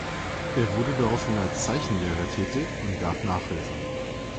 Er wurde daraufhin als Zeichenlehrer tätig und gab Nachhilfe.